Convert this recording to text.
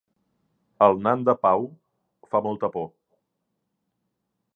El nan de Pau fa molta por